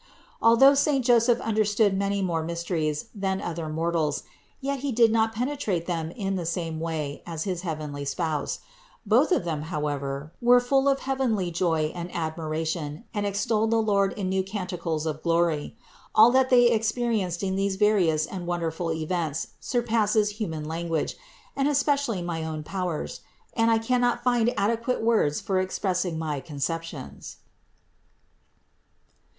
Although saint THE INCARNATION 441 Joseph understood many more mysteries than other mortals, yet he did not penetrate them in the same way as his heavenly Spouse. Both of them, however, were full of heavenly joy and admiration, and extolled the Lord in new canticles of glory. All that they experi enced in these various and wonderful events surpasses human language, and certainly my own powers, and I cannot find adequate words for expressing my con ceptions.